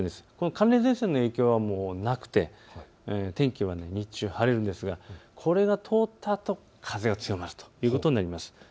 寒冷前線の影響はもうなくて天気は日中、晴れるんですがこれが通ったあと風が強まるということになります。